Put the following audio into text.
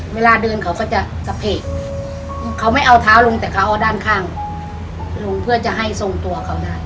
เวลาเดินเขาก็จะกระเพกเขาไม่เอาเท้าลงแต่เขาเอาด้านข้างลงเพื่อจะให้ทรงตัวเขาได้